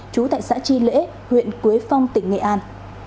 trú tại xã chi lễ huyện quế phong tỉnh nghệ an